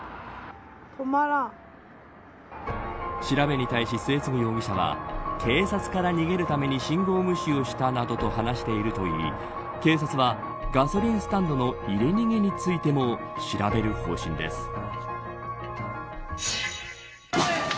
調べに対し末次容疑者は警察から逃げるために信号無視をしたなどと話しているといい警察は、ガソリンスタンドの入れ逃げについても調べる方針です。